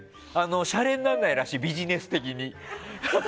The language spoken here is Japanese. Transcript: シャレにならないらしいビジネス的に。